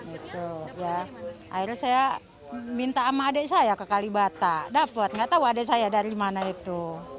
akhirnya saya minta sama adik saya ke kalibata dapat nggak tahu adik saya dari mana itu